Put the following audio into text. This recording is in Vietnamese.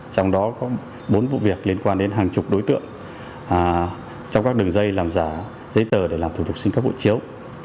trong đó có bốn vụ việc liên quan đến hàng chục đối tượng trong các đường dây làm giả giấy tờ để làm thủ tục xin cấp hộ chiếu